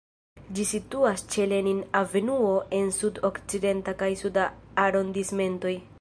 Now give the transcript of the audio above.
Ĝi situas ĉe Lenin-avenuo en Sud-Okcidenta kaj Suda arondismentoj.